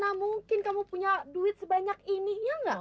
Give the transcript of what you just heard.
gimana mungkin kamu punya duit sebanyak ini ya enggak